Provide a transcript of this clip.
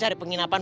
terima kasih pak